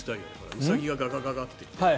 ウサギがガガガッて。